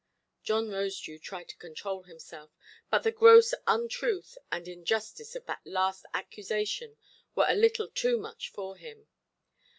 John Rosedew tried to control himself, but the gross untruth and injustice of that last accusation were a little too much for him.